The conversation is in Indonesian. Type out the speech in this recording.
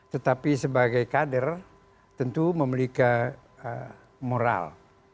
tetapi sebagai kader tentu memiliki moral